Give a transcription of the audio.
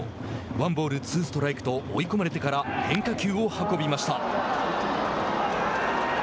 ワンボール、ツーストライクと追い込まれてから変化球を運びました。